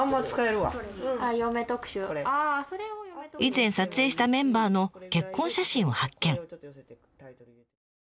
以前撮影したメンバーの結婚写真を発見。